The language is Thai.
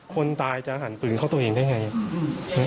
คนตายจะหันปืนเข้าตัวเองได้ไง